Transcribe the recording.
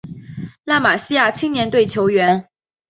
拉玛西亚青年队球员